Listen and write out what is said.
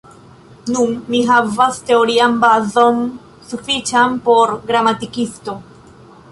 Nun mi havas teorian bazon sufiĉan por gramatikisto.